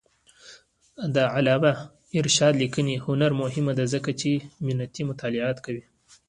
د علامه رشاد لیکنی هنر مهم دی ځکه چې متني مطالعات کوي.